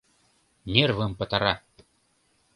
— Нервым пытара!